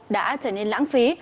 đã trở nên lãng phí